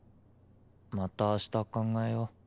また明日考えよ。